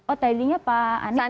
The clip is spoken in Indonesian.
oh tadi tadi pak anies pakai